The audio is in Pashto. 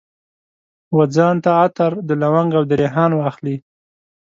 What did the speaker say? وځان ته عطر، د لونګ او دریحان واخلي